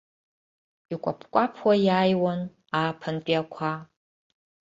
Икәаԥ-кәаԥуа иааиуан ааԥынтәи ақәа.